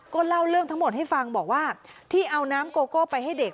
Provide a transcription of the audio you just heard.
ก็เล่าเรื่องทั้งหมดให้ฟังบอกว่าที่เอาน้ำโกโก้ไปให้เด็ก